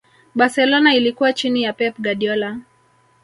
barcelona ilikuwa chini ya pep guardiola